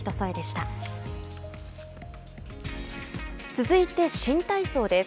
続いて、新体操です。